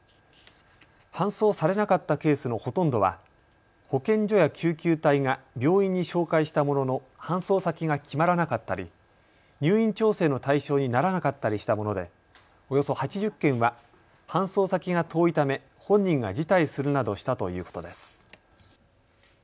搬送されなかったケースのほとんどは保健所や救急隊員が病院に照会したものの搬送先が決まらなかったり入院調整の対象にならなかったりしたものでおよそ８０件は搬送先が遠いため本人が辞退するなどしたということです。